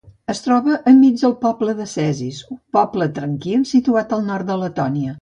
Es troba enmig del poble de Cesis un poble tranquil situat al nord de Letònia.